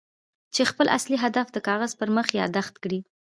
چې خپل اصلي هدف د کاغذ پر مخ ياداښت کړئ.